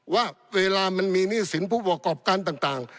ว่าเวลามันมีหนี้สินผู้ประกอบการต่าง